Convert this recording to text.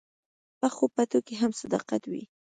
پخو پټو کې هم صداقت وي